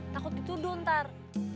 takut dituduh ntar